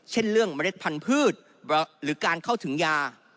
เช่นเรื่องเมล็ดพันธุ์หรือการเข้าถึงยา